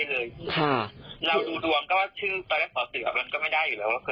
ลูกค้ามาขาย๒๓เจ้าแล้ว